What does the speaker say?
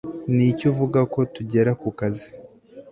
niki uvuga ko tugera kukazi